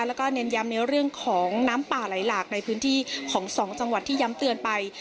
แล้วก็เน้นย้ำในเรื่องของน้ำป่าไหลหลากในพื้นที่ของสองจังหวัดที่ย้ำเตือนไป